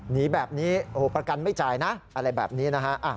หนีแบบนี้โอ้โหประกันไม่จ่ายนะอะไรแบบนี้นะฮะ